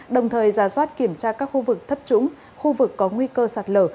đồng thời giả soát kiểm tra các khu vực thấp trũng khu vực có nguy cơ sạt lở